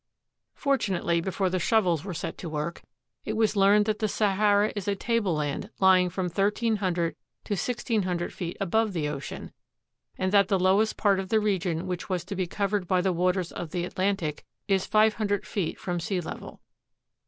Fortunately before the shovels were set to work, it was learned that the Sahara is a tableland lying from thirteen hundred to sixteen hundred feet above the ocean, and that the lowest part of the region which was to be covered by the waters of the Atlantic is five hundred feet above sea level.